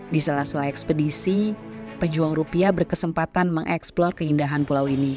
di salah salah ekspedisi pejuang rupiah berkesempatan mengeksplor keindahan pulau ini